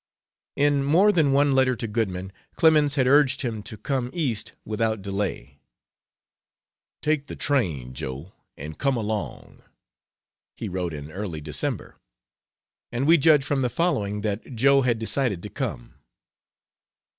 In more than one letter to Goodman, Clemens had urged him to come East without delay. "Take the train, Joe, and come along," he wrote early in December. And we judge from the following that Joe had decided to come.